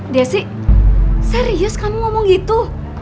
desi serius kamu ngomong itu